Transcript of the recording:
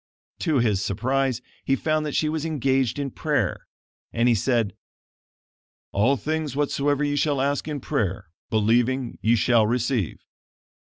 To his surprise he found that she was engaged in prayer, and he said: "All things whatsoever ye shall ask in prayer, believing, ye shall receive."